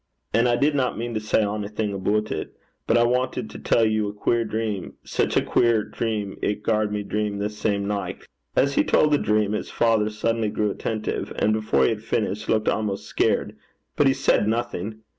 And I didna mean to say onything aboot it; but I wantit to tell ye a queer dream, sic a queer dream it garred me dream the same nicht.' As he told the dream, his father suddenly grew attentive, and before he had finished, looked almost scared; but he said nothing.